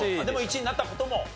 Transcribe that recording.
でも１位になった事も？